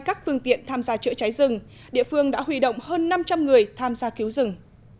các lực lượng hơn năm trăm linh người tham gia cứu rừng